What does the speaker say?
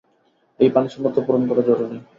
এই পানিশূন্যতা পূরণ করা জরুরি।